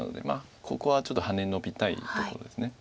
まあここはちょっとハネノビたいところです。